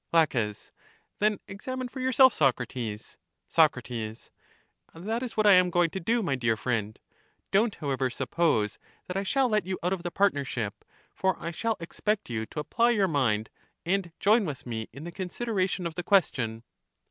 La, Then examine for yourself, Socrates. Soc, That is what I am going to do, my dear friend. Don't, however, suppose that I shall let you out of the partnership ; for I shall expect you to apply your mind, and join with me in the consideration of the question.